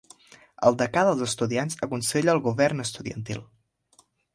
El decà dels estudiants aconsella al govern estudiantil.